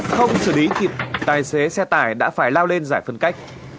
không xử lý kịp tài xế xe tải đã phải lao lên giải phân cách